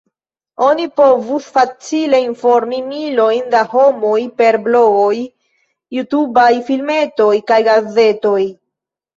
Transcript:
Oni povus facile informi milojn da homoj per blogoj, jutubaj filmetoj kaj gazetoj.